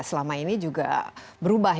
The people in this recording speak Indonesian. selama ini juga berubah